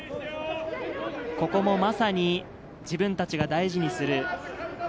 ここもまさに自分たちが大事にする。